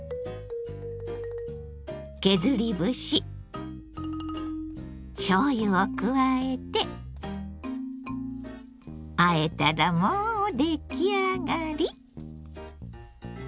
削り節しょうゆを加えてあえたらもう出来上がり！